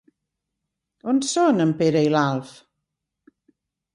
On són, el Pere i l'Alf?